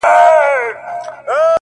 په سپورږمۍ كي زمــــــــــا زړه دى،